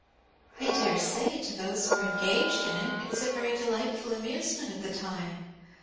"I daresay, to those who are engaged in it, it is a very delightful amusement at the time."